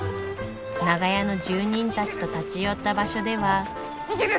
長屋の住人たちと立ち寄った場所では。